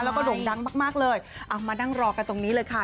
แล้วก็โด่งดังมากมากเลยเอามานั่งรอกันตรงนี้เลยค่ะ